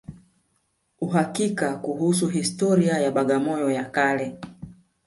Uhakika kuhusu historia ya Bagamoyo ya kale